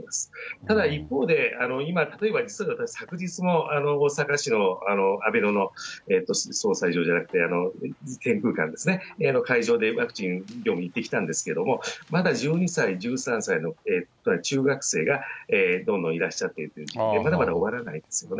ただ一方で、今例えば、昨日の大阪市の阿倍野のてんくうかんですね、会場でワクチン業務行ってきたんですけれども、まだ１２歳、１３歳の中学生がどんどんいらっしゃっていて、まだまだ終わらないですけどね。